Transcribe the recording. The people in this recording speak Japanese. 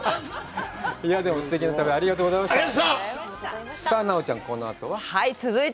でも、すてきな旅をありがとうございま１日４粒！